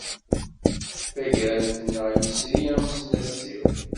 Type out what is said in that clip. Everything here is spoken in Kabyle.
Tagrawt-nneɣ yesri amesnasiw.